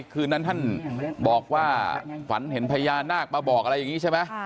คืนนั้นท่านบอกว่าฝันเห็นพญานาคมาบอกอะไรอย่างนี้ใช่ไหม